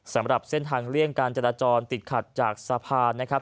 สำหรับเส้นทางเลี่ยงการจราจรติดขัดจากสะพานนะครับ